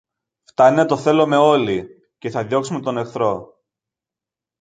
Φθάνει να το θέλομε όλοι, και θα διώξουμε τον εχθρό.